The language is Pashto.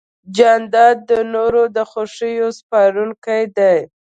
جانداد د نورو د خوښۍ سپارونکی دی.